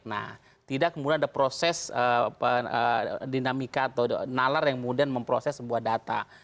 nah tidak kemudian ada proses dinamika atau nalar yang kemudian memproses sebuah data